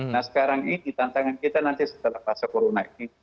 nah sekarang ini tantangan kita nanti setelah fase corona ini